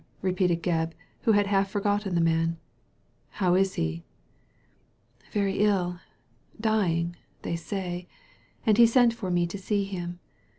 " repeated Gebb, who had half forgotten the man; "how is he?" " Very ill— dying, they say ; and he sent for me to see him.